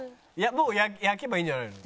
もう焼けばいいんじゃないの？